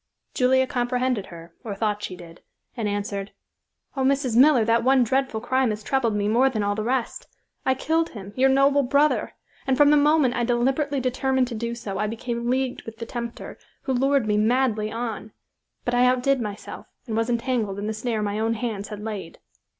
Julia comprehended her, or thought she did, and answered, "Oh, Mrs. Miller, that one dreadful crime has troubled me more than all the rest. I killed him, your noble brother, and from the moment I deliberately determined to do so I became leagued with the tempter, who lured me madly on. But I outdid myself, and was entangled in the snare my own hands had laid."